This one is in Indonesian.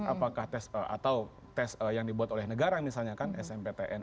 apakah atau tes yang dibuat oleh negara misalnya kan smptn